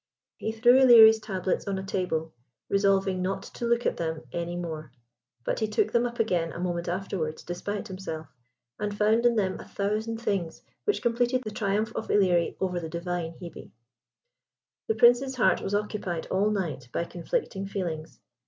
He threw Ilerie's tablets on a table, resolving not to look at them any more; but he took them up again a moment afterwards, despite himself, and found in them a thousand things which completed the triumph of Ilerie over the divine Hebe. The Prince's heart was occupied all night by conflicting feelings.